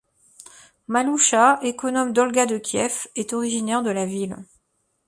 Maloucha, économe d'Olga de Kiev, est originaire de la ville.